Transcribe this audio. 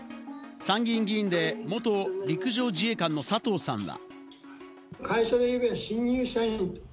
参議院議員で元陸上自衛官の佐藤さんは。